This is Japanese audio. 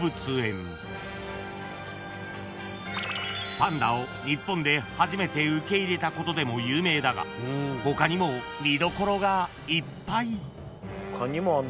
［パンダを日本で初めて受け入れたことでも有名だが他にも見どころがいっぱい］